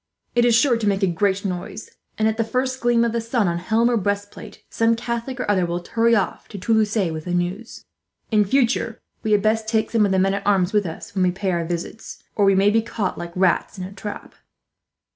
It is sure to make a great noise and, at the first gleam of the sun on helm or breast plate, some Catholic or other will hurry off to Toulouse with the news. In future we had best take some of the men at arms with us, when we pay our visits, or we may be caught like rats in a trap."